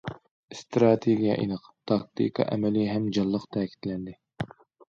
ئىستراتېگىيە ئېنىق، تاكتىكا ئەمەلىي ھەم جانلىق تەكىتلەندى.